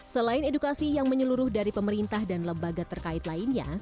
selain edukasi yang menyeluruh dari pemerintah dan lembaga terkait lainnya